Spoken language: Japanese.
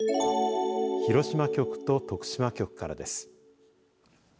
広島局と徳島局からです。